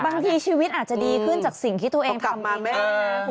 บางทีชีวิตอาจจะดีขึ้นจากสิ่งที่ตัวเองทำ